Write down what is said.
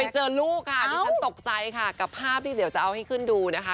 เจอลูกค่ะดิฉันตกใจค่ะกับภาพที่เดี๋ยวจะเอาให้ขึ้นดูนะคะ